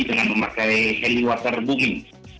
dengan memakai heli water bumi